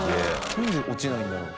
なんで落ちないんだろう？